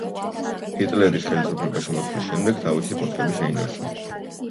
ჰიტლერის ხელისუფლებაში მოსვლის შემდეგ თავისი პოსტები შეინარჩუნა.